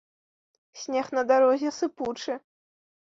Снег на дарозе сыпучы.